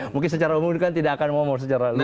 mungkin secara umum kan tidak akan ngomong secara luas